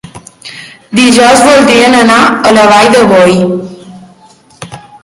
Dijous voldrien anar a la Vall de Boí.